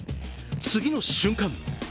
次の瞬間！